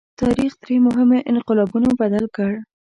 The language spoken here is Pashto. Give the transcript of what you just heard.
تاریخ درې مهمو انقلابونو بدل کړ.